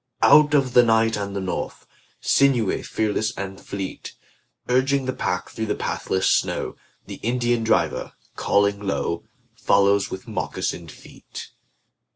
Out of the night and the north, Sinewy, fearless and fleet, Urging the pack through the pathless snow, The Indian driver, calling low, Follows with moccasined feet.